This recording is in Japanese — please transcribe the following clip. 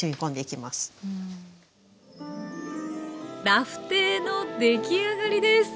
ラフテーの出来上がりです！